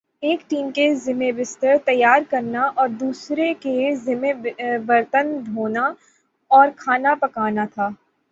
ایک ٹیم کے ذمہ بستر تیار کرنا اور دوسری کے ذمہ برتن دھونا اور کھانا پکانا تھا ۔